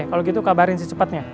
oke kalau gitu kabarin si cepatnya